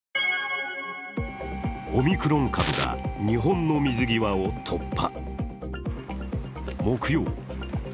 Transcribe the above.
オミクロン株が日本の水際を突破。